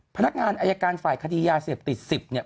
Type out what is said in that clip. พนักงานอายการฝ่ายคติศิษยาศิลป์๑๐เนี่ย